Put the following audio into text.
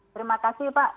terima kasih pak